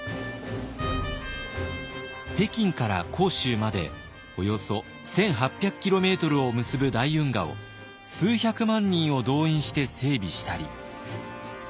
北京から杭州までおよそ１，８００キロメートルを結ぶ大運河を数百万人を動員して整備したり。